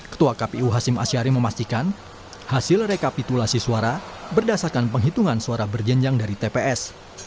ketua kpu hasim ashari memastikan hasil rekapitulasi suara berdasarkan penghitungan suara berjenjang dari tps